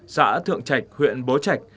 xã thượng trạch huyện bố trạch